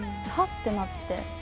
「はっ」ってなって。